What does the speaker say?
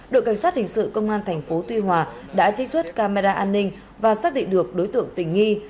đội cảnh sát hình sự công an thành phố tuy hòa đã trích xuất camera an ninh và xác định được đối tượng tỉnh nghi